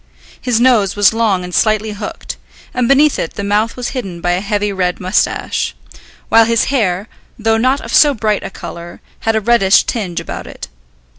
His nose was long and slightly hooked, and beneath it the mouth was hidden by a heavy red moustache; while his hair, though not of so bright a colour, had a reddish tinge about it.